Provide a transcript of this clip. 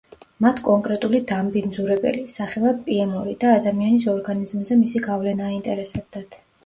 მათ კონკრეტული დამბინძურებელი, სახელად პიემ-ორი და ადამიანის ორგანიზმზე მისი გავლენა აინტერესებდათ.